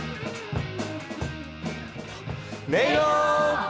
「音色」。